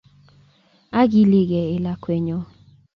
Akikilkee eeh lakwenyon